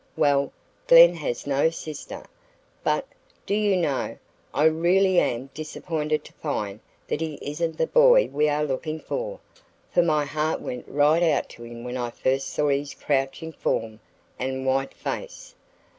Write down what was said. Well, Glen has no sister. But, do you know, I really am disappointed to find that he isn't the boy we are looking for, for my heart went right out to him when I first saw his crouching form and white face.